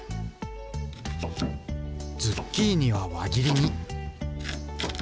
ズッキーニは輪切りに。